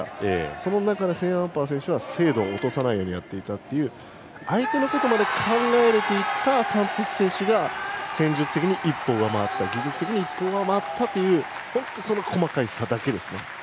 その中でセーンアンパー選手は精度を落とさないようにやっていたという相手のことまで考えられていたサントス選手が技術的に一歩上回ったという細かい差だけですね。